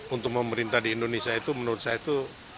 untuk memerintah di indonesia itu menurut saya itu